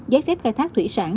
giấy phép khai thác thủy sản